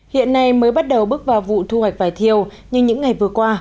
hiện nay mới bắt đầu bước vào vụ thu hoạch vải thiêu nhưng những ngày vừa qua